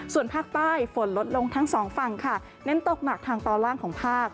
ส่วนภาคใต้ฝนลดลงทั้งสองฝั่งค่ะเน้นตกหนักทางตอนล่างของภาค